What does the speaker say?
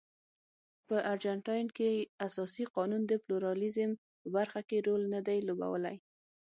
په ارجنټاین کې اساسي قانون د پلورالېزم په برخه کې رول نه دی لوبولی.